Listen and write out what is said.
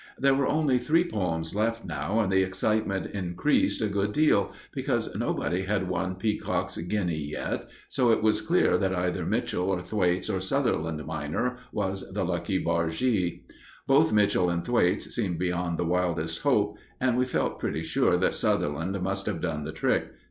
There were only three poems left now, and the excitement increased a good deal, because nobody had won Peacock's guinea yet, so it was clear that either Mitchell, or Thwaites, or Sutherland minor was the lucky bargee. Both Mitchell and Thwaites seemed beyond the wildest hope, and we felt pretty sure that Sutherland must have done the trick.